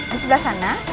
di sebelah sana